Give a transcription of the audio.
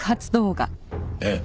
ええ。